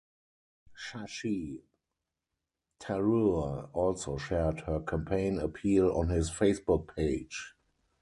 Shashi Tharoor also shared her campaign appeal on his Facebook page.